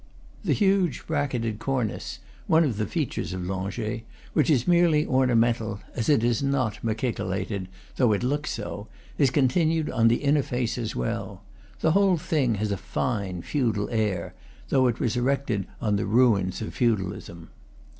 The huge bracketed cor nice (one of the features of Langeais) which is merely ornamental, as it is not machicolated, though it looks so, is continued on the inner face as well. The whole thing has a fine feudal air, though it was erected on the rains of feudalism.